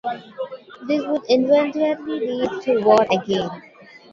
This would inevitably lead to war again.